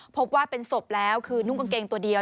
พบว่าเป็นศพแล้วคือนุ่งกางเกงตัวเดียว